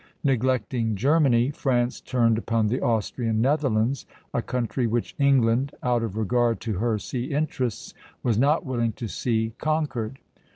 Neglecting Germany, France turned upon the Austrian Netherlands, a country which England, out of regard to her sea interests, was not willing to see conquered.